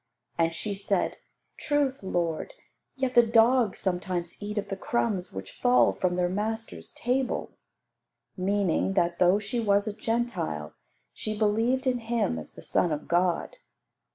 And she said, "Truth, Lord, yet the dogs sometimes eat of the crumbs which fall from their masters' table;" meaning that, though she was a Gentile, she believed in Him as the Son of God.